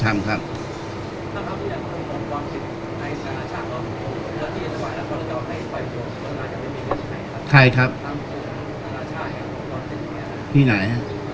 การสำรรค์ของเจ้าชอบใช่